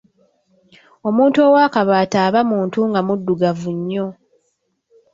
Omuntu ow'akabaata aba muntu nga muddugavu nnyo.